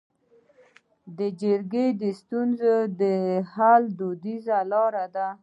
جرګې د ستونزو د حل دودیزه لاره ده